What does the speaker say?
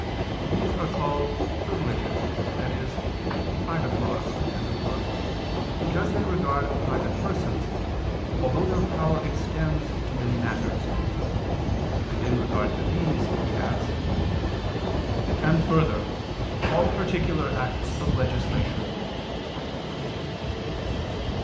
These are called "privileges," i.e. "private laws," as it were, because they regard private persons, although their power extends to many matters; and in regard to these, he adds, "and further, all particular acts of legislation."